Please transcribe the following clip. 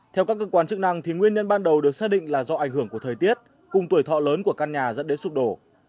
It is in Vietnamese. theo các cơ quan chức năng nguyên nhân ban đầu được xác định là do ảnh hưởng của thời tiết cùng tuổi thọ lớn của căn nhà dẫn đến sụp đổ